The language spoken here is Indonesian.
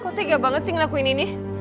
kok tega banget sih ngelakuin ini